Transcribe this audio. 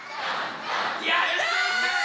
やった！